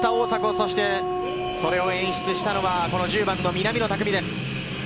そしてそれを演出したのは１０番の南野拓実です。